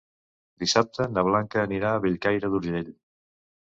Dissabte na Blanca anirà a Bellcaire d'Urgell.